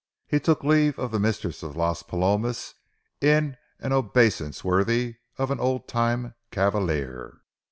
He took leave of the mistress of Las Palomas in an obeisance worthy of an old time cavalier.